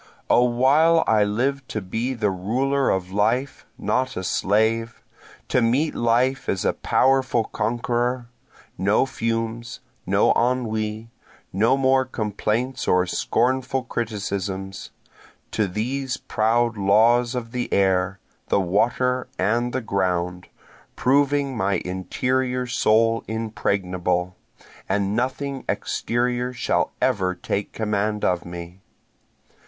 O while I live to be the ruler of life, not a slave, To meet life as a powerful conqueror, No fumes, no ennui, no more complaints or scornful criticisms, To these proud laws of the air, the water and the ground, proving my interior soul impregnable, And nothing exterior shall ever take command of me.